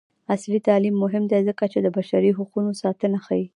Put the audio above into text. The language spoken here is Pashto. عصري تعلیم مهم دی ځکه چې د بشري حقونو ساتنه ښيي.